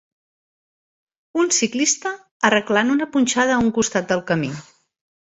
Un ciclista arreglant una punxada a un costat del camí.